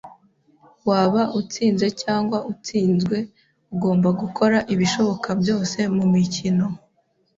Waba utsinze cyangwa utsinzwe, ugomba gukora ibishoboka byose mumikino.